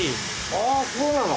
ああそうなの？